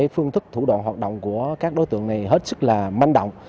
phương thức thủ đoạn hoạt động của các đối tượng này hết sức là manh động